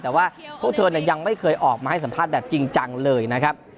แต่ว่าพวกเธอยังไม่เคยออกมาให้สัมภาษณ์แบบจริงจังเลยนะครับ